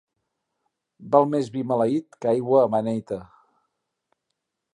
Val més vi maleït que aigua beneita.